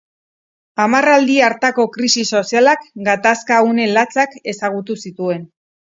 Hamarraldi hartako krisi sozialak gatazka une latzak ezagutu zituen.